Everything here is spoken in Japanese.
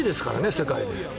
世界で。